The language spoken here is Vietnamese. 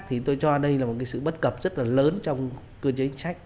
thì tôi cho đây là một cái sự bất cập rất là lớn trong cơ chế chính sách